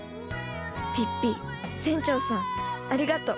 ピッピ船長さんありがとう。